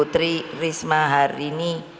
tri risma hari ini